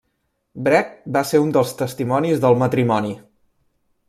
Brecht va ser un dels testimonis del matrimoni.